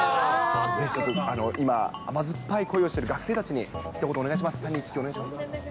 今、甘酸っぱい恋をしている学生たちに、ひと言お願いします。